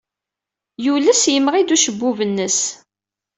Yules yemɣi-d ucebbub-nnes.